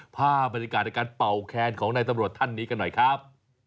ภาพบรรยากาศในการเป่าแคนของนายตำรวจท่านนี้กันหน่อยครับ